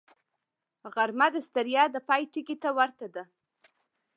غرمه د ستړیا د پای ټکي ته ورته ده